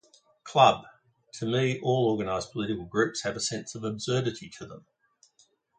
Club: To me, all organized political groups have a sense of absurdity to them.